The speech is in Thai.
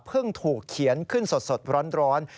เพิ่งถูกเขียนขึ้นสดร้อน